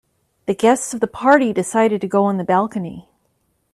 The guests of the party decided to go on the balcony.